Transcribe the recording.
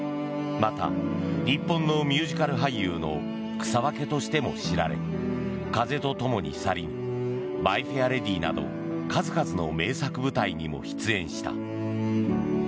また、日本のミュージカル俳優の草分けとしても知られ「風と共に去りぬ」「マイ・フェア・レディ」など数々の名作舞台にも出演した。